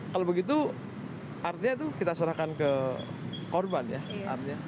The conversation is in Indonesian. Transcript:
kalau begitu artinya itu kita serahkan ke korban ya artinya